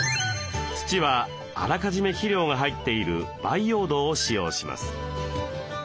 土はあらかじめ肥料が入っている培養土を使用します。